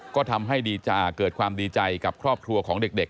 ก็ทำให้เกิดความดีใจกับครอบครัวของเด็ก